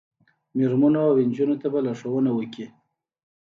میرمنو او نجونو ته به لارښوونه وکړي